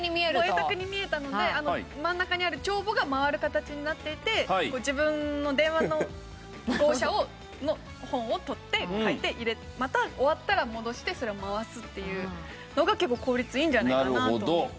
円卓に見えたので真ん中にある帳簿が回る形になっていて自分の電話の号車の本を取って書いてまた終わったら戻してそれを回すっていうのが結構効率いいんじゃないかなと思って。